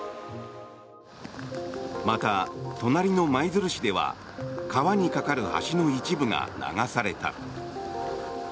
また、隣の舞鶴市では川に架かる橋の一部が流された。